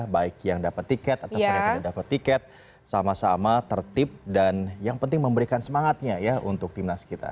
baik yang dapat tiket ataupun yang tidak dapat tiket sama sama tertib dan yang penting memberikan semangatnya ya untuk timnas kita